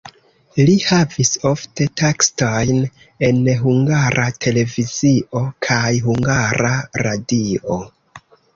Li havis ofte taskojn en Hungara Televizio kaj Hungara Radio.